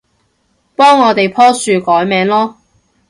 幫我哋棵樹改名囉